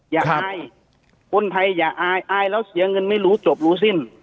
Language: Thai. อายคนไทยอย่าอายอายแล้วเสียเงินไม่รู้จบรู้สิ้น